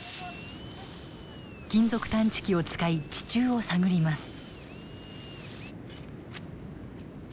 金属探知機を使い地中を探ります。